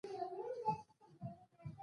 د کنجد ګل د څه لپاره وکاروم؟